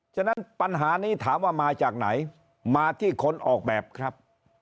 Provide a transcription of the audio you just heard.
ฉะนั้นปัญหานี้ถามว่ามาจากไหนมาที่คนออกแบบครับ